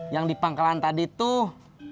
yang di pangkalan tadi tuh